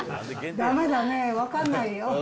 だめだね、分かんないよ。